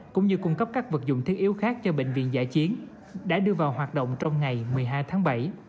cũng như cung cấp các vật dụng thiết yếu khác cho bệnh viện giã chiến đã đưa vào hoạt động trong ngày một mươi hai tháng bảy